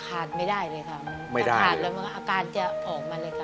ขาดไม่ได้เลยค่ะถ้าขาดแล้วมันก็อาการจะออกมาเลยค่ะ